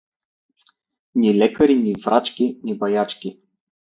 Ни лекари, ни врачки, ни баячки.